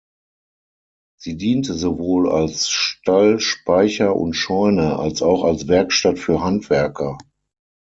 Sie diente sowohl als Stall, Speicher und Scheune, als auch als Werkstatt für Handwerker.